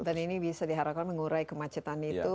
ini bisa diharapkan mengurai kemacetan itu